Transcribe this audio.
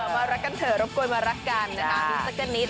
เออมารักกันเถอะรบกวนมารักกันนะค่ะสักนิด